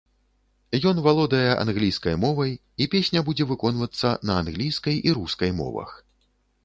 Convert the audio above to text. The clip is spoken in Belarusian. Ён валодае англійскай мовай, і песня будзе выконвацца на англійскай і рускай мовах.